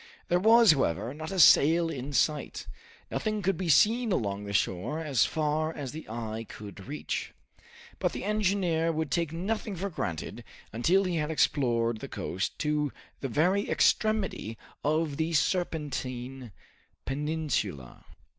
There was, however, not a sail in sight; nothing could be seen along the shore as far as the eye could reach. But the engineer would take nothing for granted until he had explored the coast to the very extremity of the Serpentine Peninsula.